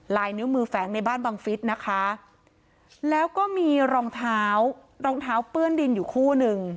ลายนิ้วมือแฝงในบ้านบังฟิศนะคะแล้วก็มีรองเท้ารองเท้าเปื้อนดินอยู่คู่หนึ่ง